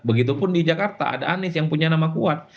begitupun di jakarta ada anies yang punya nama kuat